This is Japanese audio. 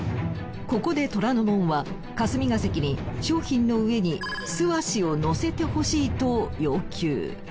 ここで虎ノ門は霞が関に商品の上に素足を乗せてほしいと要求。